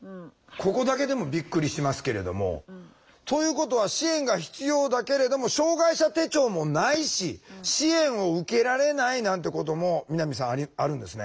ここだけでもびっくりしますけれども。ということは支援が必要だけれども障害者手帳もないし支援を受けられないなんてことも南さんあるんですね？